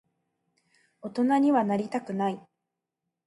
大人にはなりたくない。